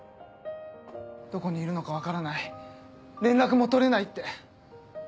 どこにいるのか分からない連絡も取れないって。